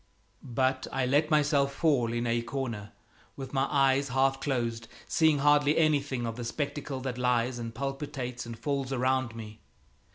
But I let myself fall in a corner with my eyes half closed, seeing hardly anything of the spectacle that lies and palpitates and falls around me.